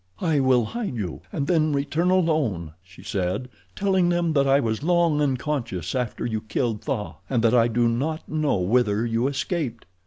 "I will hide you, and then return alone," she said, "telling them that I was long unconscious after you killed Tha, and that I do not know whither you escaped."